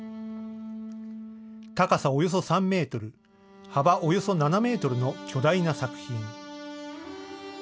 高さおよそ３メートル、幅およそ７メートルの巨大な作品。